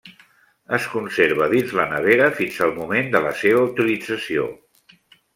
Es conserva dins la nevera fins al moment de la seva utilització.